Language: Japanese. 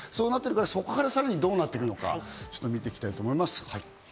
そこからさらにどうなっていくのか見ていきたいと思います。